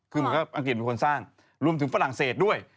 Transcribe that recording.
คือเหมือนกับอังกฤษเป็นคนสร้างรวมถึงฝรั่งเศสด้วย